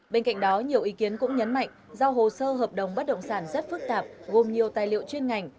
bên cạnh đó nhiều ý kiến cũng nhấn mạnh do hồ sơ hợp đồng bất động sản rất phức tạp gồm nhiều tài liệu chuyên ngành